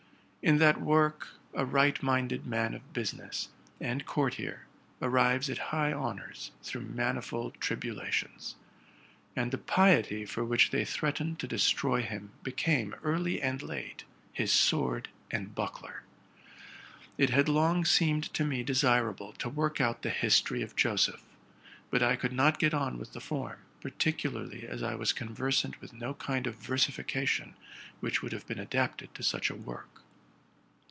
In that work, a right minded man of business, and courtier, arrives at high honors through manifold tribulations ; and the piety for which they threatened to destroy him became, early and late, his sword and buckler. It had long seemed to me desirable to work out the history of Joseph; but I could not get on with the form, particularly as I was con versant with no kind of versification which would have been adapted to such a work.